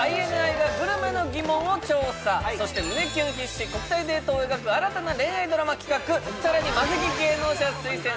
ＩＮＩがグルメの疑問を調査そして胸キュン必至国際デートを描く新たな恋愛ドラマ企画さらにマセキ芸能社推薦